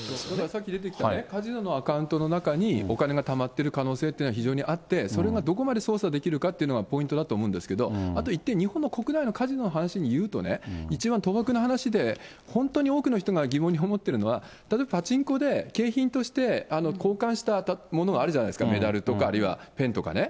さっき出てきたカジノのアカウントの中にお金がたまってる可能性というのは非常にあって、それがどこまで捜査できるかというのがポイントだと思うんですけど、あと１点、日本の国内のカジノの話で言うとね、一番、賭博の話で、本当に多くの人が疑問に思ってるのは、例えば、パチンコで景品として交換したものあるじゃないですか、メダルとか、あるいはペンとかね。